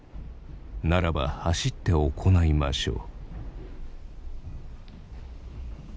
「ならば走って行いましょう」。